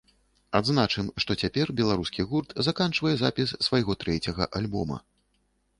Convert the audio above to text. Адзначым, што цяпер беларускі гурт заканчвае запіс свайго трэцяга альбома.